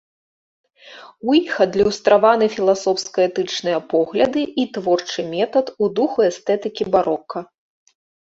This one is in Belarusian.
У іх адлюстраваны філасофска-этычныя погляды і творчы метад у духу эстэтыкі барока.